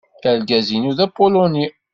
Argaz-inu d apuluni.